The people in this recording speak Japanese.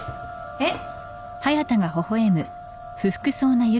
えっ！？